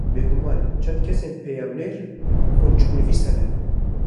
Bêguman çend kesên peyamnêr û qunciknivîs hene